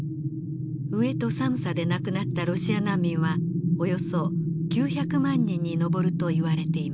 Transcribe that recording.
飢えと寒さで亡くなったロシア難民はおよそ９００万人に上るといわれています。